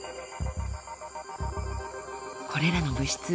これらの物質